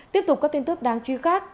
tiếp tục có tin tức đáng truy khác